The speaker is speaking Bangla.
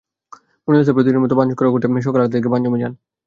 মোনালিসা প্রতিদিনের মতো পান সংগ্রহ করতে সকাল আটটার দিকে পানজুমে যান।